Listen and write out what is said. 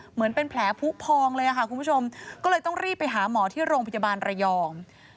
เหมือนเป็นแผลผู้พองเลยค่ะคุณผู้ชมก็เลยต้องรีบไปหาหมอที่โรงพยาบาลระยอง